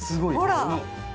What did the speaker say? ほら！